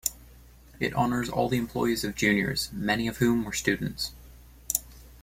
"It honors all the employees of Junior's, many of whom were students."